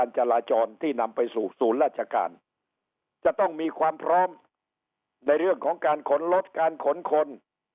จะต้องมีความพร้อมในเรื่องของการขนรถการขนคน